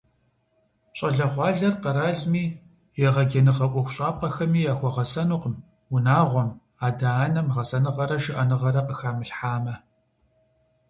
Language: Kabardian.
Щӏалэгъуалэр къэралми, егъэджэныгъэ ӏуэхущӏапӏэхэми яхуэгъэсэнукъым, унагъуэм, адэ-анэм гъэсэныгъэрэ шыӏэныгъэрэ къыхамылъхьэмэ.